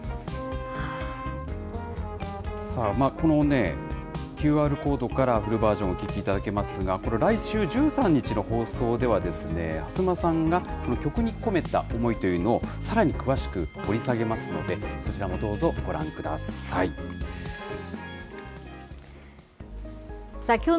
さあ、このね、ＱＲコードからフルバージョンお聴きいただけますが、これ、来週１３日の放送ではですね、蓮沼さんが曲に込めた思いというのを、さらに詳しく掘り下げますので、そちらもどうぞご覧ください。